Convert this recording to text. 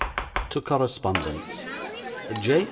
'To Correspondents. J.